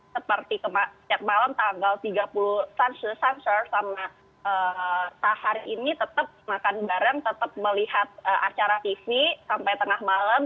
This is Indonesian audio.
seperti kemah tiap malam tanggal tiga puluh sanjur sanjur sama eee sahar ini tetap makan bareng tetap melihat eee acara tv sampai tengah malam